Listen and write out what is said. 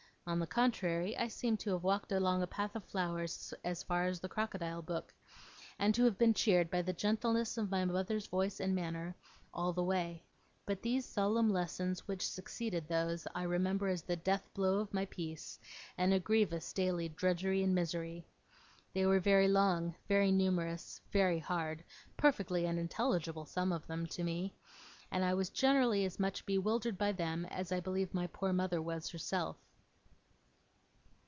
On the contrary, I seem to have walked along a path of flowers as far as the crocodile book, and to have been cheered by the gentleness of my mother's voice and manner all the way. But these solemn lessons which succeeded those, I remember as the death blow of my peace, and a grievous daily drudgery and misery. They were very long, very numerous, very hard perfectly unintelligible, some of them, to me and I was generally as much bewildered by them as I believe my poor mother was herself.